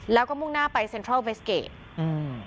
แล้วก็มุ่งหน้าไปเซ็นทรัลเวสเกจอืม